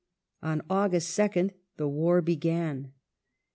On August 2nd the war began.